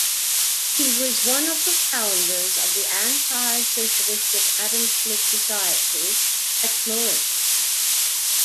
He was one of the founders of the anti-socialistic Adam Smith Society at Florence.